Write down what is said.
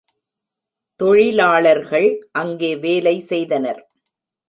தொழிலாளர்கள் அங்கே வேலை செய்தனர்.